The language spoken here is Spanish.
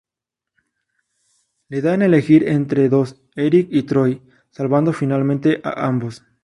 Le dan a elegir entre dos: Eric y Troy, salvando finalmente a ambos.